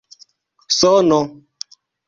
sono